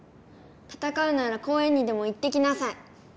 たたかうなら公園にでも行ってきなさい。